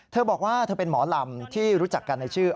เธอบอกว่าเธอเป็นหมอลำที่รู้จักกันในชื่อ